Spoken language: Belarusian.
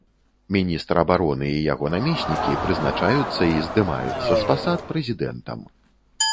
Міністр абароны і яго намеснікі прызначаюцца і здымаюцца з пасад прэзідэнтам.